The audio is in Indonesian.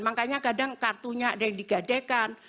makanya kadang kartunya ada yang digadekan